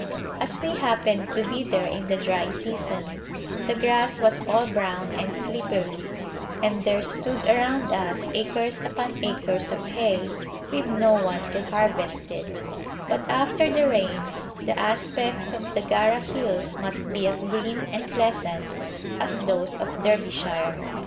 As we happened to be there in the dry season, the grass was all brown and slippery, and there stood around us acres upon acres of hay with no one to harvest it; but after the rains the aspect of the Gara hills must be as green and pleasant as those of Derbyshire.